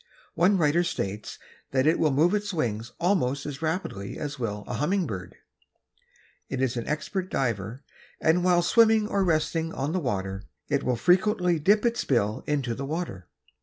One writer states that it will move its wings almost as rapidly as will a humming bird. It is an expert diver and while swimming or resting on the water it will frequently dip its bill into the water.